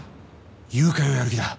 誘拐をやる気だ。